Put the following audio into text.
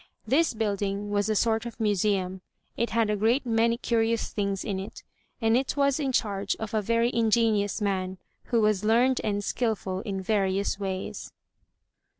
This building was a sort of museum; it had a great many curious things in it, and it was in charge of a very ingenious man, who was learned and skilful in various ways.